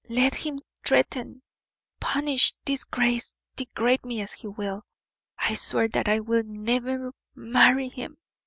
"Let him threaten, punish, disgrace, degrade me as he will, I swear that I will never marry him.